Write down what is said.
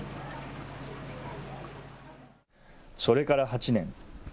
それから８年。